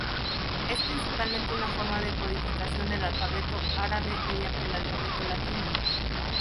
Es principalmente una forma de codificación del alfabeto árabe mediante el alfabeto latino.